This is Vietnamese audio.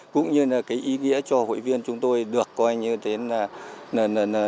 cũng như là cái ý nghĩa cho hội viên chúng tôi được coi như thế là